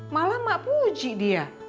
malah ma puji dia